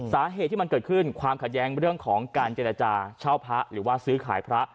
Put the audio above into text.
สาเหตุที่มันเกิดขึ้นความขัดแย้งเรื่องของการเจรจาเช่าพระหรือว่าซื้อขายพระ